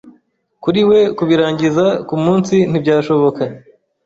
Kuri we kubirangiza kumunsi ntibyashoboka.